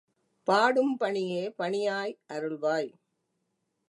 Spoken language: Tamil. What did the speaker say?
பாடும் பணியே பணியா அருள்வாய்.